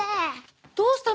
どうしたの？